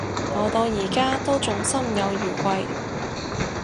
我到而家都仲心有餘悸